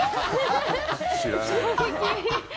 衝撃。